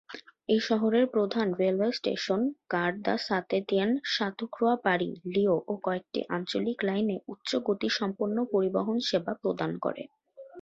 এই শহরের প্রধান railway station Gare de Saint Étienne Châteaucreux Paris, লিওঁ ও কয়েকটি আঞ্চলিক লাইনে উচ্চ গতিসম্পন্ন পরিবহন সেবা প্রদান করে।